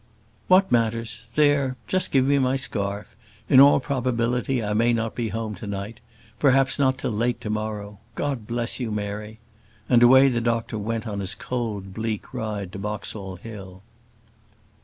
"What matters? there just give me my scarf. In all probability I may not be home to night perhaps not till late to morrow. God bless you, Mary!" and away the doctor went on his cold bleak ride to Boxall Hill.